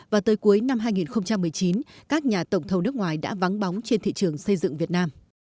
và tới cuối năm hai nghìn một mươi chín các nhà tổng thầu nước ngoài đã vắng bóng trên thị trường xây dựng việt nam